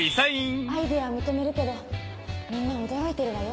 アイデアは認めるけどみんな驚いてるわよ。